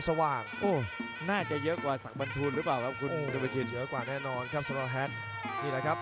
สำหรับแฮปฟอร์ฟอร์ฟงซัวว่างหรือเปล่าครับ